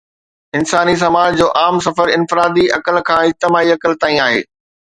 انساني سماج جو عام سفر انفرادي عقل کان اجتماعي عقل تائين آهي.